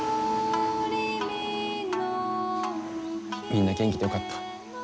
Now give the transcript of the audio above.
みんな元気でよかった。